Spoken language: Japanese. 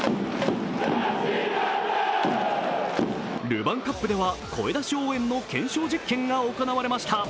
ルヴァンカップでは声出し応援の検証実験が行われました。